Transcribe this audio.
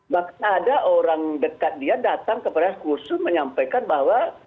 bahkan ada orang dekat dia datang kepada khusus menyampaikan bahwa